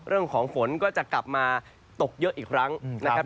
เรื่องของฝนก็จะกลับมาตกเยอะอีกครั้งนะครับ